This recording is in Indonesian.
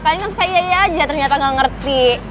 kalian kan suka jadi aja ternyata gak ngerti